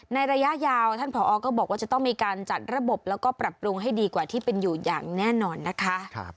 ระยะยาวท่านผอก็บอกว่าจะต้องมีการจัดระบบแล้วก็ปรับปรุงให้ดีกว่าที่เป็นอยู่อย่างแน่นอนนะคะ